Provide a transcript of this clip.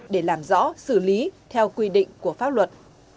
để làm rõ xử lý theo quy định của pháp luật